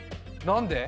何で？